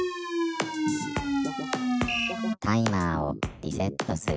「タイマーをリセットする」。